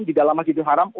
di dalam masjidil haram